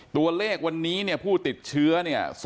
ตัวเลขวันนี้ผู้ติดเชื้อ๓๓๔